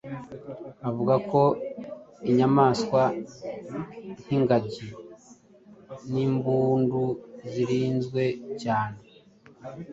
avuga ko inyamaswa nk’ingagi n’imbundu zirinzwe cyane